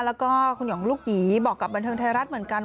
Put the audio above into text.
แล้วก็คุณหย่องลูกหยีบอกกับบันเทิงไทยรัฐเหมือนกัน